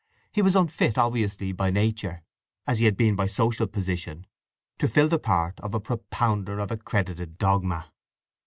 He was as unfit, obviously, by nature, as he had been by social position, to fill the part of a propounder of accredited dogma.